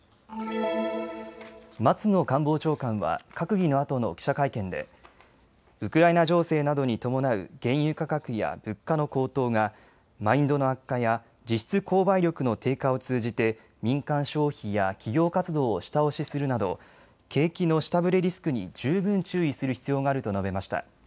松野官房長官は閣議のあとの記者会見でウクライナ情勢などに伴う原油価格や物価の高騰がマインドの悪化や実質購買力の低下を通じて民間消費や企業活動を下押しするなど景気の下振れリスクに十分注意する必要があると述べました。